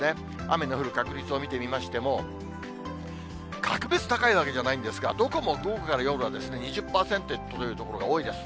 雨の降る確率を見てみましても、格別高いわけじゃないんですが、どこも午後から夜は２０％に届くという所が多いです。